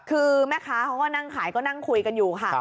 คือแม่ค้าเขาก็นั่งขายก็นั่งคุยกันอยู่ค่ะ